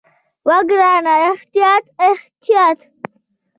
وه ګرانه احتياط احتياط.